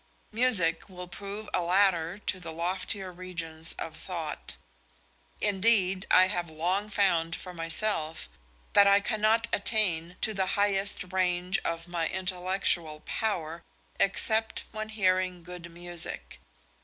Music will prove a ladder to the loftier regions of thought; indeed I have long found for myself that I cannot attain to the highest range of my intellectual power except when hearing good music.